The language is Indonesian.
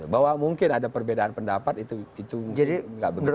bahwa mungkin ada perbedaan pendapat itu nggak begitu